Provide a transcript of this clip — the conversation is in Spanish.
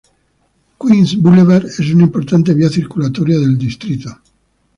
Queens Boulevard es una importante vía circulatoria del distrito.